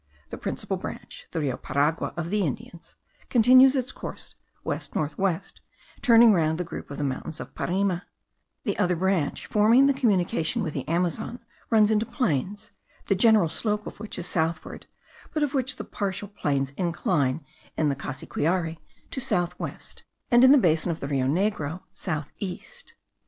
The principal branch (the Rio Paragua of the Indians) continues its course west north west, turning round the group of the mountains of Parime; the other branch forming the communication with the Amazon runs into plains, the general slope of which is southward, but of which the partial planes incline, in the Cassiquiare, to south west, and in the basin of the Rio Negro, south east.